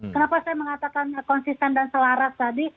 kenapa saya mengatakan konsisten dan selaras tadi